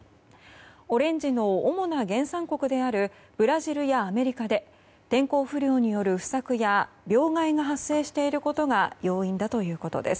オレンジの主な原産国であるブラジルやアメリカで天候不良による不作や病害が発生していることが要因だということです。